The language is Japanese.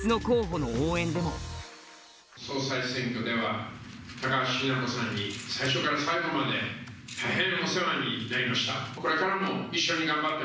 総裁選挙では、高橋比奈子さんに最初から最後まで大変お世話になりました。